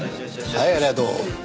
はいありがとう。